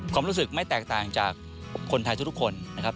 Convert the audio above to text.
ความรู้สึกไม่แตกต่างจากคนไทยทุกคนนะครับ